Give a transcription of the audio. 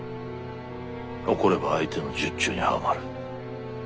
怒れば相手の術中にはまる。